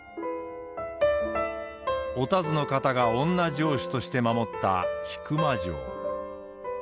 お田鶴の方が女城主として守った引間城。